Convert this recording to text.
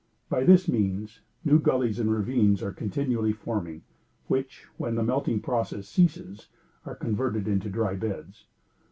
By this means, new gullies and ravines are continually forming, which, when the melting process ceases, are converted into dry beds.